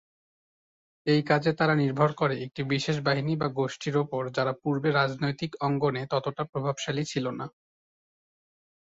এই কাজে তারা নির্ভর করে একটি বিশেষ বাহিনী বা গোষ্ঠীর উপর যারা পূর্বে রাজনৈতিক অঙ্গনে ততটা প্রভাবশালী ছিল না।